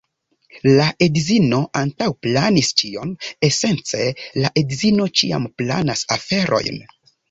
La edzino antaŭplanis ĉion, esence la edzino ĉiam planas aferojn.